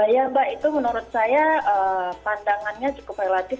ya mbak itu menurut saya pandangannya cukup relatif